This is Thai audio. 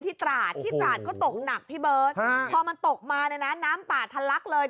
ตราดที่ตราดก็ตกหนักพี่เบิร์ตพอมันตกมาเนี่ยนะน้ำป่าทะลักเลย